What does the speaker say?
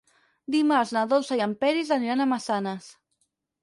Dimarts na Dolça i en Peris aniran a Massanes.